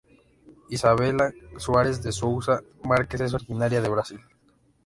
Isabela Soares De Souza Marques es originaria de Brasil.